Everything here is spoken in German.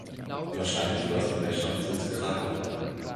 Wahrscheinlich war sein Herrschaftssitz Krakau.